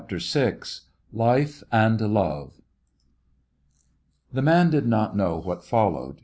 [«7] VI LIFE AND LOVE THE man did not know what fol lowed.